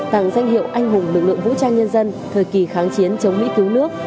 tặng danh hiệu anh hùng lực lượng vũ trang nhân dân thời kỳ kháng chiến chống mỹ cứu nước